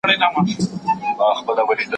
دغه کتاب د پښتنو په زړه پوري کیسې لرلې.